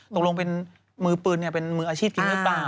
ตรงรวมเป็นมือปืนมืออาชีพกินหรือเปล่า